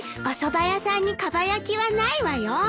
おそば屋さんにかば焼きはないわよ。